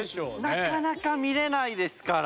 なかなか見れないですから。